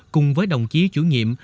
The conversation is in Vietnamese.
cùng với đồng chí chủ nhiệm